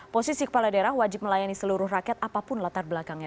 posisi kepala daerah wajib melayani seluruh rakyat apapun latar belakangnya